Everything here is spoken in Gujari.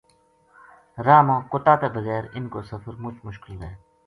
راہ ما کتا تے بغیر اِنھ کو سفر مُچ مشکل وھے